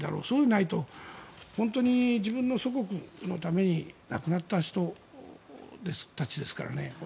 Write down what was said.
そうでないと自分の祖国のために亡くなった人たちですからね。